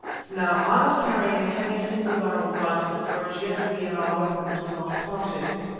Now I was carrying a heavy, single barrelled rifle, for as yet we and our weapons were not parted.